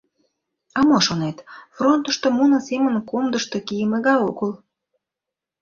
— А мо шонет — фронтышто муно семын комдышто кийыме гай огыл...